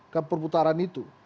ke perputaran itu